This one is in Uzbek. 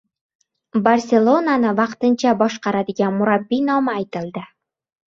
«Barselona»ni vaqtincha boshqaradigan murabbiy nomi aytildi